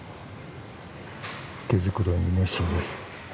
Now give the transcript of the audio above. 毛繕いに熱心です。